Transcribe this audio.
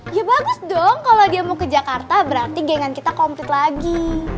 ya bagus dong kalau dia mau ke jakarta berarti gangan kita komplit lagi